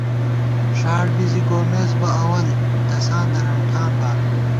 ݭاڑ بی زی گومېس بہ اول ، تساں درَنٹھان بالہ